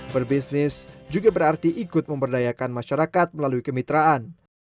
berbisnis juga berarti ikut memberdayakan masyarakat melalui kemitraan